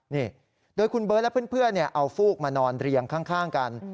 นี่โดยคุณเบิร์ตและเพื่อนเอาฟูกมานอนเรียงข้างกัน